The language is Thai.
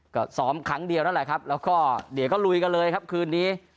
ก็ซ้อมครั้งเดียวนั่นแหละครับแล้วก็เดี๋ยวก็ลุยกันเลยครับคืนนี้